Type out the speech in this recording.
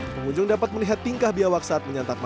pengunjung dapat melihat tingkah biawak saat menyantap makanan